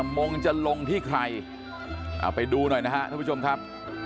มงจะลงที่ใครเอาไปดูหน่อยนะครับท่านผู้ชมครับ